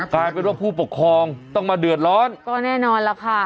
กลายเป็นว่าผู้ปกครองต้องมาเดือดร้อนก็แน่นอนล่ะค่ะ